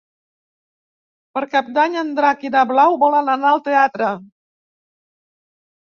Per Cap d'Any en Drac i na Blau volen anar al teatre.